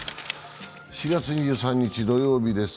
４月２３日土曜日です。